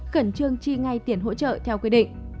khẩn trương chi ngay tiền hỗ trợ theo quy định